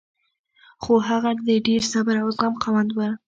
خو هغه د ډېر صبر او زغم خاوند و